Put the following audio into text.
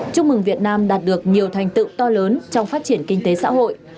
chúc mừng việt nam đạt được nhiều thành tựu to lớn trong phát triển kinh tế xã hội